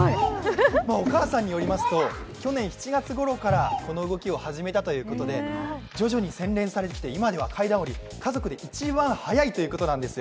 お母さんによりますと、去年７月ごろからこの動きを始めたということで徐々に洗練されてきて今では階段下り、家族で一番速いということなんですよ。